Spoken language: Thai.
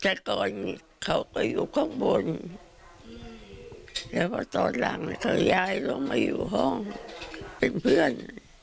แต่ก่อนเขาก็อยู่ข้างบนแล้วพอตอนหลังเขาย้ายลงมาอยู่ห้องเป็นเพื่อน